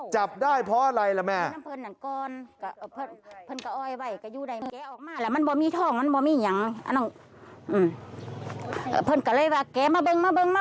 จับได้เพราะอะไรล่ะแม่